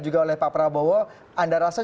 juga oleh pak prabowo anda rasa